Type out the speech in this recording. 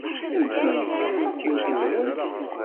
Amek ay iga umtiweg-nwen?